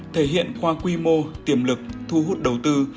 thể hiện qua quy mô tiềm lực thu hút đầu tư